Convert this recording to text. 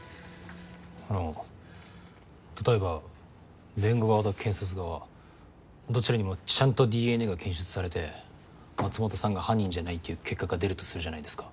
あの例えば弁護側と検察側どちらにもちゃんとＤＮＡが検出されて松本さんが犯人じゃないっていう結果が出るとするじゃないですか。